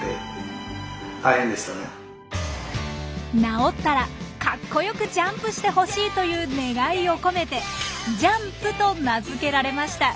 治ったらかっこよくジャンプしてほしいという願いを込めて「ジャンプ」と名付けられました。